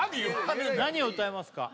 何を歌いますか？